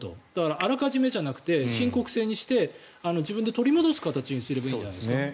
あらかじめじゃなくて申告制にして自分で取り戻す形にすればいいじゃないですか。